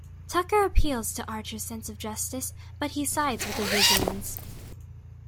Tucker appeals to Archer's sense of justice, but he sides with the Vissians.